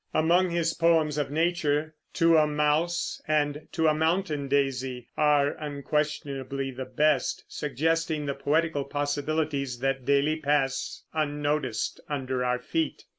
Among his poems of nature, "To a Mouse" and "To a Mountain Daisy" are unquestionably the best, suggesting the poetical possibilities that daily pass unnoticed under our feet.